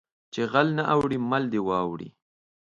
چې غل نه اوړي مال دې واوړي